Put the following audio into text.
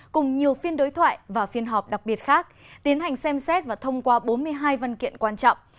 cùng nhiều phiên đối thoại và phiên họp đặc biệt khác tiến hành xem xét và thông qua bốn mươi hai văn kiện quan trọng